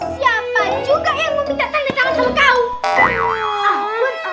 siapa juga yang meminta tanda tangan kau